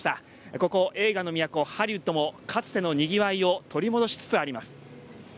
ここ映画の都、ハリウッドもかつてのにぎわいを取り戻しつつあります。